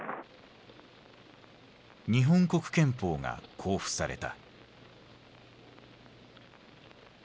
日本国憲法が公布された。